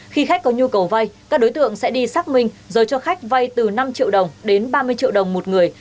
khi khách có nhu cầu vay các đối tượng sẽ đi xác minh rồi cho khách vay từ năm triệu đồng đến ba mươi triệu đồng một người